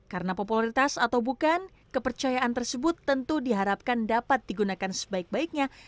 karena popularitas atau bukan kepercayaan tersebut tentu diharapkan dapat digunakan sebaik baiknya